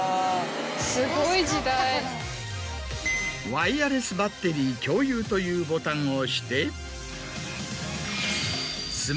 ワイヤレスバッテリー共有というボタンを押して。